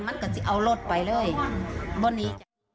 มันก็จะเอารถไปเลยบนนี้